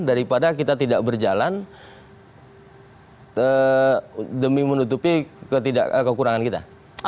daripada kita tidak berjalan demi menutupi kekurangan kita